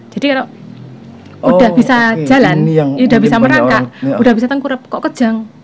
jadi kalau udah bisa jalan udah bisa merangkak udah bisa tengkurap kok kerjang